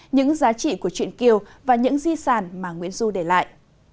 những giá trị của chuyện kiều và những di sản mà nguyễn du để lại